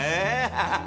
ハハハ。